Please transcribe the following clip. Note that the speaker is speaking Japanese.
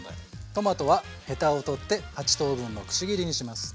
トマトはへたを取って８等分のくし切りにします。